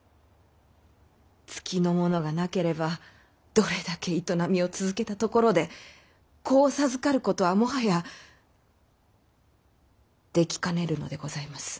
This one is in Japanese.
月のものがなければどれだけ営みを続けたところで子を授かることはもはやできかねるのでございます。